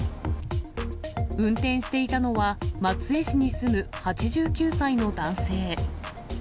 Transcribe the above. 運転していたのは、松江市に住む８９歳の男性。